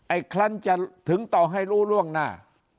ไอ้คลันจะถึงต่อให้ลุ่วร่วงหน้า